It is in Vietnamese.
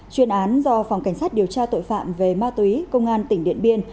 chuyên án do phòng cảnh sát điều tra tội phạm về ma túy công an tỉnh điện biên